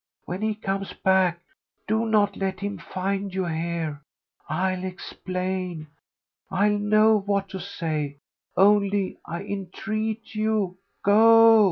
"When he comes back do not let him find you here. I'll explain, I'll know what to say, only I entreat you—go!"